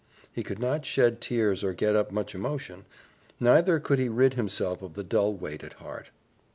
He could not shed tears or get up much emotion; neither could he rid himself of the dull weight at heart.